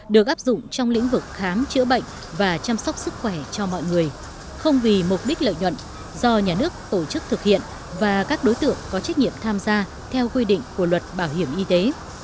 được áp dụng trong lĩnh vực khám chữa bệnh và chăm sóc sức khỏe cho mọi người không vì mục đích lợi nhuận do nhà nước tổ chức thực hiện và các đối tượng có trách nhiệm tham gia theo quy định của luật bảo hiểm y tế